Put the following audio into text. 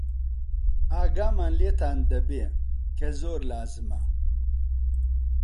ئاگامان لێتان دەبێ، کە زۆر لازمە